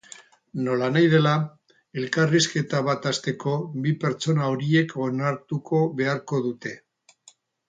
Nolanahi dela, elkarrizketa bat hasteko, bi pertsona horiek onartuko beharko dute.